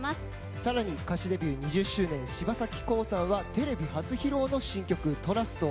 さらに歌手デビュー２０周年柴咲コウさんはテレビ初披露の新曲「ＴＲＵＳＴ」を。